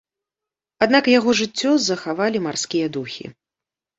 Аднак яго жыццё захавалі марскія духі.